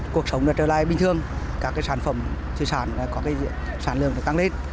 cuộc sống trở lại bình thường các sản phẩm thủy sản có sản lượng tăng lên